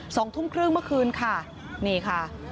สองทุ่มครึ่งเมื่อคืนค่ะนี่ค่ะ